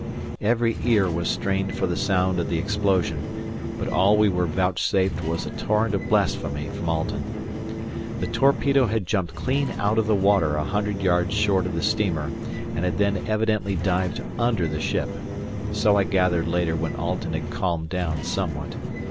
Every ear was strained for the sound of the explosion, but all we were vouchsafed was a torrent of blasphemy from Alten. The torpedo had jumped clean out of the water a hundred yards short of the steamer, and had then evidently dived under the ship; so I gathered later when Alten had calmed down somewhat.